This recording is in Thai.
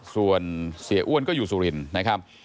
ส่วนเสียอ้วนก็อยู่สุรินทร์นะครับ